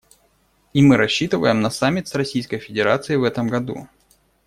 И мы рассчитываем на саммит с Российской Федерацией в этом году.